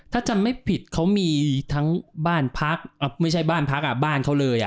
ถ้าจำไม่ผิดเขามีทั้งบ้านพักไม่ใช่บ้านพักบ้านเขาเลย